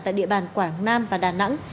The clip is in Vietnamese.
tại địa bàn quảng nam và đà nẵng